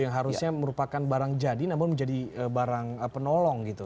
yang harusnya merupakan barang jadi namun menjadi barang penolong gitu